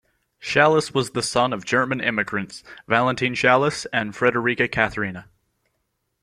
Shallus was the son of German immigrants, Valentine Schallus and Frederica Catherina.